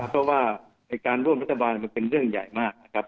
เพราะว่าการร่วมรัฐบาลมันเป็นเรื่องใหญ่มากนะครับ